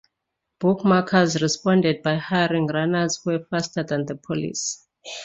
Bookmakers responded by hiring runners who were faster than the police.